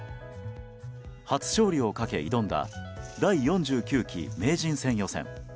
初勝利をかけ挑んだ第４９期名人戦予選。